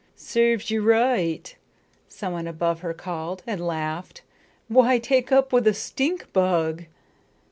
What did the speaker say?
"Serves you right," someone above her called, and laughed. "Why take up with a stink bug?"